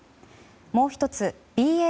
もう１つＢＡ